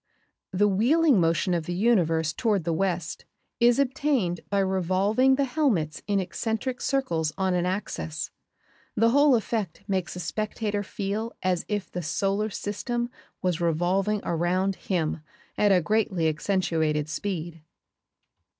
The wheeling motion of the universe toward the west is obtained by revolving the "helmets" in eccentric circles on an axis. The whole effect makes a spectator feel as if the solar system was revolving around him at a greatly accentuated speed.